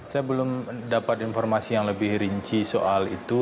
saya belum dapat informasi yang lebih rinci soal itu